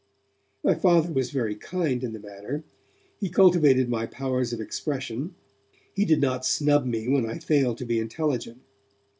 My Father was very kind in the matter; he cultivated my powers of expression, he did not snub me when I failed to be intelligent.